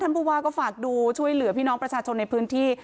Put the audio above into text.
ผู้ว่าก็ฝากดูช่วยเหลือพี่น้องประชาชนในพื้นที่